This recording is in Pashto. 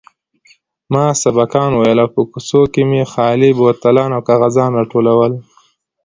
ما سبقان ويل او په کوڅو کښې مې خالي بوتلان او کاغذان راټولول.